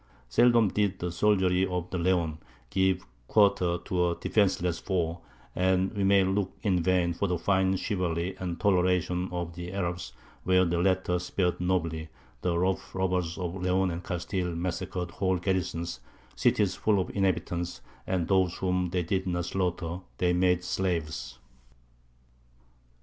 Seldom did the soldiery of Leon give quarter to a defenceless foe, and we may look in vain for the fine chivalry and toleration of the Arabs; where the latter spared nobly, the rough robbers of Leon and Castile massacred whole garrisons, cities full of inhabitants, and those whom they did not slaughter they made slaves.